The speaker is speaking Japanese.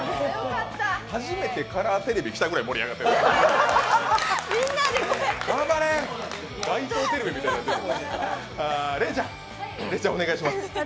初めてカラーテレビ来たぐらい盛り上がってました。